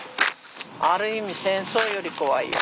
ある意味戦争より怖いよ。